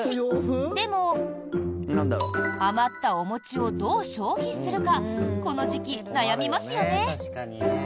でも、余ったお餅をどう消費するかこの時期、悩みますよね？